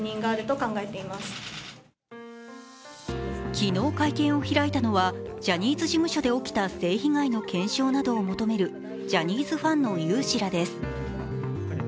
昨日会見を開いたのはジャニーズ事務所で起きた性被害の検証などを求めるジャニーズファンの有志らです。